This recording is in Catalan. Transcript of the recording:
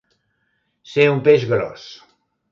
Ser un peix gros.